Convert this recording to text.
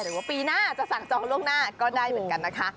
หรือว่าปีหน้าจะสั่งจองล่วงหน้าก็ได้เหมือนกันนะคะ